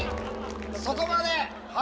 そこまで！